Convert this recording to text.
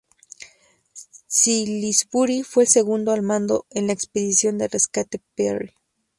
Salisbury fue el segundo al mando en la expedición de rescate Peary.